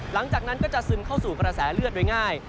หลังจากนั้นก็จะซึมเข้าสู่กระแสเลือดโดยง่าย